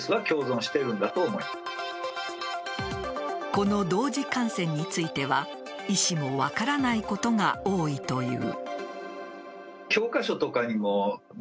この同時感染については医師も分からないことが多いという。